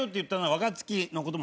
若槻